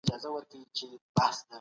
زه هر وخت د خپل عزت خيال ساتم.